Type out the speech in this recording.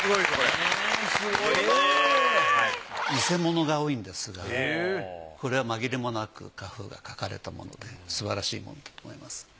偽物が多いんですがこれはまぎれもなく荷風が書かれたものですばらしいものだと思います。